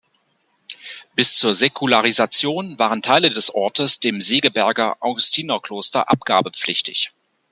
Bis zur Säkularisation waren Teile des Ortes dem Segeberger Augustinerkloster abgabepflichtig.